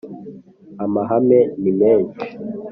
amahane ni menshi